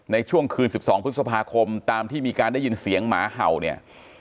ในช่วงคืน๑๒พฤษภาคมตามที่มีการได้ยินเสียงหมาเห่าเนี่ย